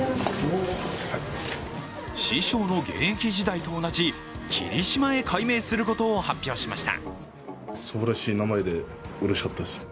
師匠の現役時代と同じ、霧島へ改名することを発表しました。